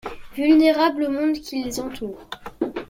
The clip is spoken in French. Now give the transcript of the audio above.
Vulnérables au monde qui les entoure.